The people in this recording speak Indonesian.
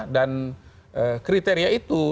dan kriteria itu